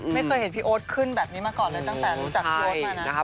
ไม่เห็นพี่โอธขึ้นแบบงี้มาก่อเลยตั้งแต่รู้จับพี่โอธแล้วนะ